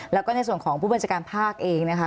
แล้วก็ในส่วนของผู้บัญชาการภาคเองนะคะ